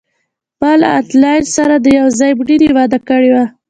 ما له انیلا سره د یو ځای مړینې وعده کړې وه